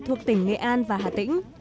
thuộc tỉnh nghệ an và hà tĩnh